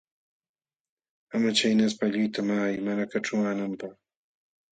Ama chaynaspa allquyta maqay mana kaćhumaananpaq.